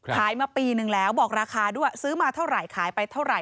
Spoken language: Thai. มาปีนึงแล้วบอกราคาด้วยซื้อมาเท่าไหร่ขายไปเท่าไหร